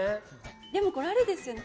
でもこれあれですよね？